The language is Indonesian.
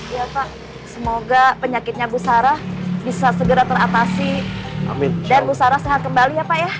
ya pak semoga penyakitnya bu sarah bisa segera teratasi dan busara sehat kembali ya pak ya